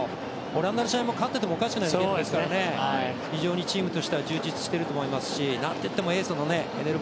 オランダの試合も勝ててもおかしくなかったゲームなので非常にチームとしては充実していると思いますし何といってもエースのエネル